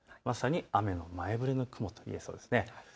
まさに雨の前触れの雲といえそうです。